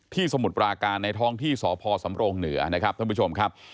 สมุทรปราการในท้องที่สพสำรงเหนือนะครับท่านผู้ชมครับ